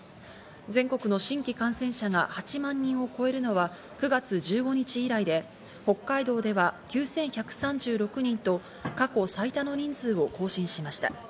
全国の新規感染者が８万人を超えるのは９月１５日以来で、北海道では９１３６人と、過去最多の人数を更新しました。